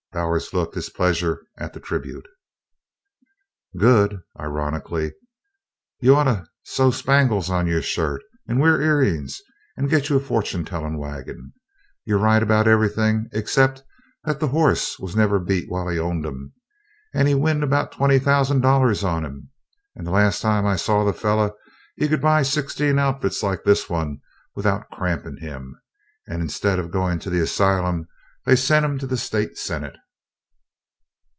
Bowers looked his pleasure at the tribute. "Good?" ironically. "You oughta sew spangles on your shirt and wear ear rings and git you a fortune tellin' wagon. You're right about everything except that that horse never was beat while he owned him and he win about twenty thousand dollars on him, and that the last time I saw that feller he could buy sixteen outfits like this one without crampin' him, and instead of goin' to the asylum they sent him to the state senate."